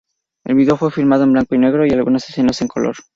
El video fue filmado en blanco y negro, y algunas escenas en color.